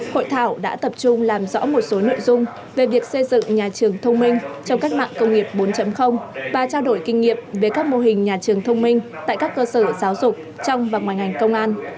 hội thảo đã tập trung làm rõ một số nội dung về việc xây dựng nhà trường thông minh trong cách mạng công nghiệp bốn và trao đổi kinh nghiệm về các mô hình nhà trường thông minh tại các cơ sở giáo dục trong và ngoài ngành công an